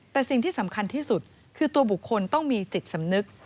แต่สิ่งที่สำคัญที่สุดคือตัวบุคคลต้องมีจิตสำนึก